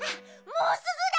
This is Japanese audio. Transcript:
もうすぐだ！